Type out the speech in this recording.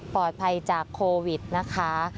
ปลอดภัยจากโควิดนะคะ